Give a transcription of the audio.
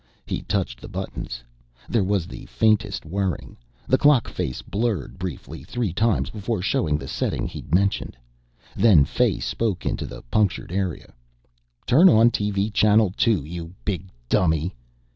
He touched the buttons. There was the faintest whirring. The clock face blurred briefly three times before showing the setting he'd mentioned. Then Fay spoke into the punctured area: "Turn on TV Channel Two, you big dummy!"